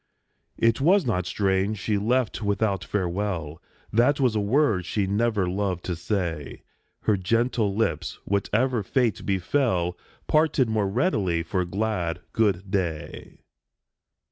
It was not strange she left without farewell ; That was a word she never loved to say. Her gentle lips, whatever fate befell, Parted more readily for glad " Good day."